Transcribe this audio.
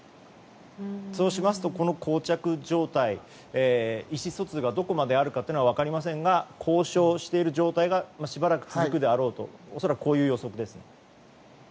そうしますとこの膠着状態意思疎通がどこまであるかは分かりませんが交渉している状態がしばらく続くであろうと恐らく、こういう予測ですね。